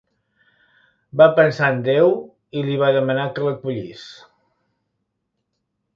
Va pensar en Déu i li va demanar que l'acollís.